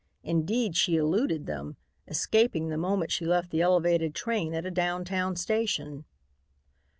Indeed, she eluded them, escaping the moment she left the elevated train at a down town station.